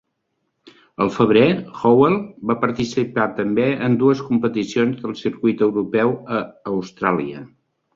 Al febrer, Howell va participar també en dues competicions del Circuit Europeu a Austràlia.